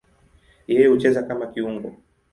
Yeye hucheza kama kiungo.